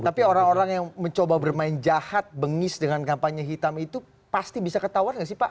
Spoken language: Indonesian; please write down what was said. tapi orang orang yang mencoba bermain jahat bengis dengan kampanye hitam itu pasti bisa ketahuan nggak sih pak